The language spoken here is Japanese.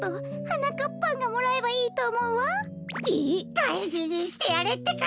だいじにしてやれってか！